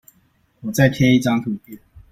我再貼一張圖片